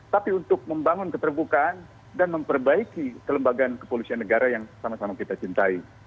tapi untuk membangun keterbukaan dan memperbaiki kelembagaan kepolisian negara yang sama sama kita cintai